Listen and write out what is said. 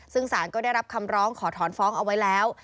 ซึ่งสารก็ได้รับคำร้องขอถอนฟ้องเอาไว้แล้ว